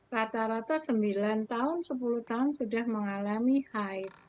rata rata sembilan tahun sepuluh tahun sudah mengalami high